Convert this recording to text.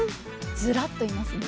ずらっといますね。